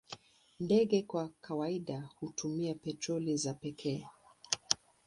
Ndege kwa kawaida hutumia petroli za pekee.